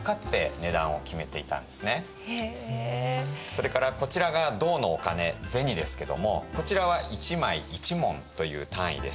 それからこちらが銅のお金銭ですけどもこちらは１枚１文という単位でした。